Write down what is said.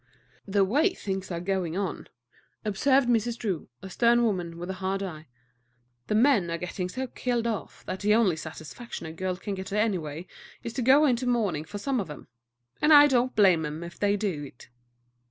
"The way things are going on," observed Mrs. Drew, a stern woman with a hard eye, "the men are getting so killed off that the only satisfaction a girl can get anyway is to go into mourning for some of 'em; and I don't blame 'em if they do it."